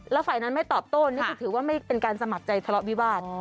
แล้วฝ่ายนั้นไม่ตอบโต้นี่คือถือว่าเป็นการสมัครใจทะเลาะวิวาส